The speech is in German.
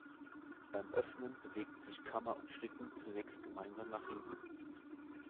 Beim Öffnen bewegten sich Kammer und Schlitten zunächst gemeinsam nach hinten.